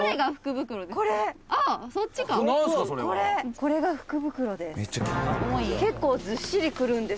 「これが福袋です。